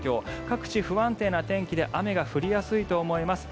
各地、不安定な天気で雨が降りやすいと思います。